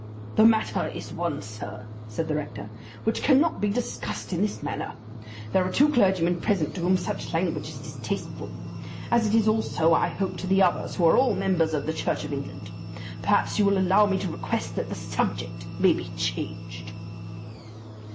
"The matter is one, sir," said the rector, "which cannot be discussed in this manner. There are two clergymen present to whom such language is distasteful; as it is also I hope to the others who are all members of the Church of England. Perhaps you will allow me to request that the subject may be changed."